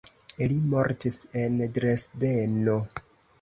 Li mortis en Dresdeno.